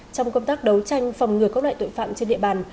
trong công tác đấu tranh phòng ngừa các loại tội phạm trên địa bàn